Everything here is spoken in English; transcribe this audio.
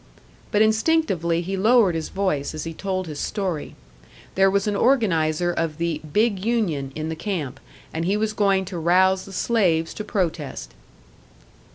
But instinctively he lowered his voice as he told his story. There was an organiser of the "big union" in the camp, and he was going to rouse the slaves to protest.